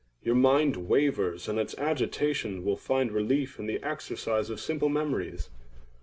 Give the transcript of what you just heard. Your mind wavers, and its agitation will find relief in the exercise of simple memories.